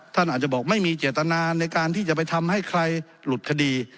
ท่านอาจจะบอกไม่มีเจตนาในการที่จะไปทำให้ใครหลุดคดี